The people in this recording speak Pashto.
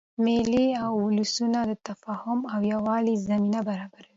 مېلې اد ولسونو د تفاهم او یووالي زمینه برابروي.